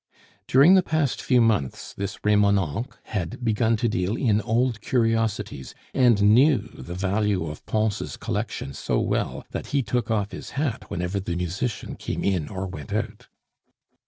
During the past few months this Remonencq had begun to deal in old curiosities, and knew the value of Pons' collection so well that he took off his hat whenever the musician came in or went out.